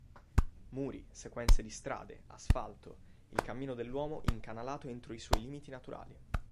Muri, sequenze di strade, asfalto, il cammino dell’uomo incanalato entro i suoi limiti naturali.